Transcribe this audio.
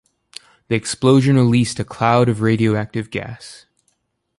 The explosion released a cloud of radioactive gas.